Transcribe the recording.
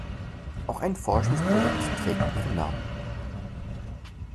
Auch ein Forschungsprojekt trägt ihren Namen.